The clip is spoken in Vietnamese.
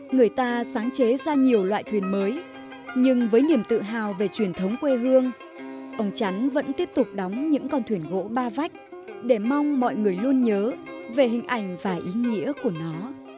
người ta sáng chế ra nhiều loại thuyền mới nhưng với niềm tự hào về truyền thống quê hương ông chắn vẫn tiếp tục đóng những con thuyền gỗ ba vách để mong mọi người luôn nhớ về hình ảnh và ý nghĩa của nó